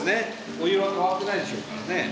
お湯は変わってないでしょうからね。